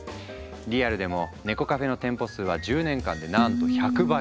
リアルでも猫カフェの店舗数は１０年間でなんと１００倍に。